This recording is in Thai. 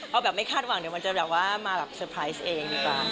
เอาแบบไม่คาดหวังเดี๋ยวมันจะแบบว่ามาแบบเซอร์ไพรส์เองดีกว่า